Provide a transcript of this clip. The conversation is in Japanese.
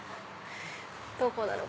どこだろう？